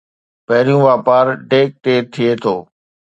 پهريون واپار ڊيڪ تي ٿئي ٿو